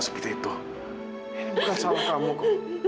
seperti itu ini bukan salah kamu kak